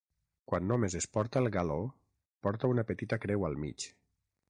Quan només es porta el galó, porta una petita creu al mig.